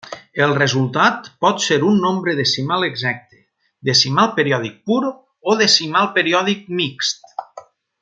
El resultat pot ser un nombre decimal exacte, decimal periòdic pur o decimal periòdic mixt.